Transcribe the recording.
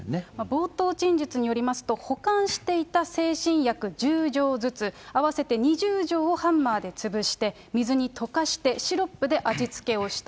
冒頭陳述によりますと、保管していた精神薬１０錠ずつ、合わせて２０錠をハンマーで潰して、水に溶かしてシロップで味付けをした。